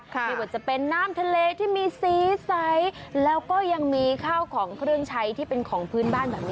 ไม่ว่าจะเป็นน้ำทะเลที่มีสีใสแล้วก็ยังมีข้าวของเครื่องใช้ที่เป็นของพื้นบ้านแบบนี้